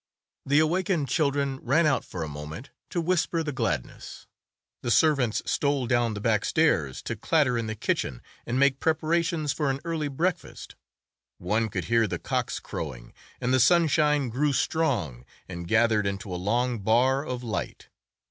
The awakened children ran out for a moment to whisper the gladness, the servants stole down the back stairs to clatter in the kitchen and make preparations for an early breakfast, one could hear the cocks crowing, and the sunshine grew strong and gathered into a long bar of light.